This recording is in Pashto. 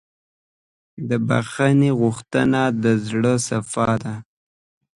د بښنې غوښتنه د زړۀ صفا ده.